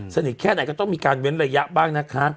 แค่ไหนก็ต้องมีการเว้นระยะบ้างนะคะ